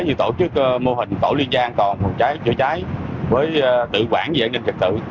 như tổ chức mô hình tổ liên gia an toàn chữa cháy với tự quản dạy nền trực tử